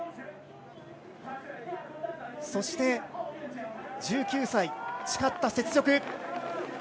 そして、１９歳、誓った雪辱。